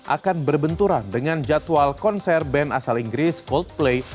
akan berbenturan dengan jadwal konser band asal inggris coldplay